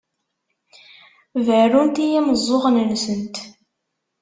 Berrunt i yimeẓẓuɣen-nsent.